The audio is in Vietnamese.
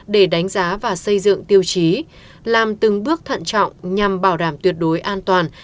để đánh giá và xây dựng tiêu chí làm từng bước thận trọng nhằm bảo đảm tuyệt đối an toàn